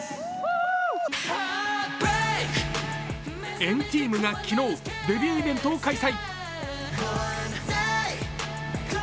＆ＴＥＡＭが機能、デビューイベントを開催。